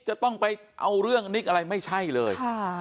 จะต้องไปเอาเรื่องนิกอะไรไม่ใช่เลย